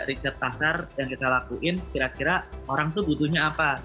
riset pasar yang kita lakuin kira kira orang tuh butuhnya apa